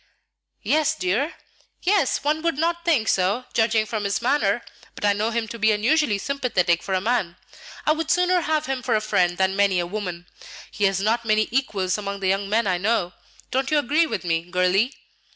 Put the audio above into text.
"Yes, dear?" "Yes. One would not think so, judging from his manner; but I know him to be unusually sympathetic for a man. I would sooner have him for a friend than many a woman; he has not many equals among the young men I know. Don't you agree with me, girlie?"